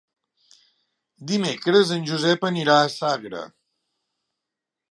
Dimecres en Josep anirà a Sagra.